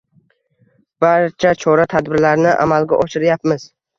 Barcha chora-tadbirlarni amalga oshiryapmiz.